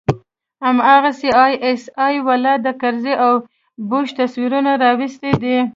هماغسې آى اس آى والا د کرزي او بوش تصويرونه راوستي دي.